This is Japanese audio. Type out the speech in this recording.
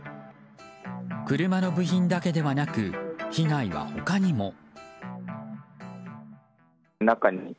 車の部品だけではなく被害は他にも。